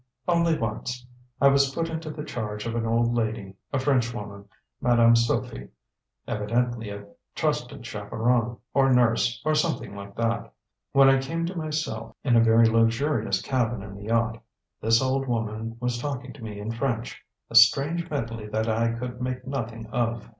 "Only once. I was put into the charge of an old lady, a Frenchwoman, Madame Sofie; evidently a trusted chaperon, or nurse, or something like that. When I came to myself in a very luxurious cabin in the yacht, this old woman was talking to me in French a strange medley that I could make nothing of.